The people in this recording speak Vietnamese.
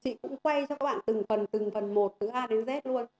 chị cũng quay cho các bạn từng phần từng phần một từ a đến z luôn